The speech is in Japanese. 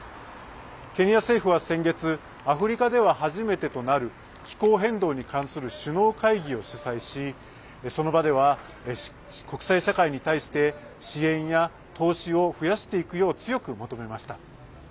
ケニア政府は先月アフリカでは初めてとなる気候変動に関する首脳会議を主催しその場では国際社会に対して支援や投資を増やしていくよう強く求めました。